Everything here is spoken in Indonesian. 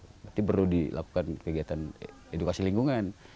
berarti perlu dilakukan kegiatan edukasi lingkungan